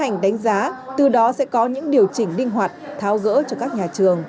sẽ tiến hành đánh giá từ đó sẽ có những điều chỉnh linh hoạt thao gỡ cho các nhà trường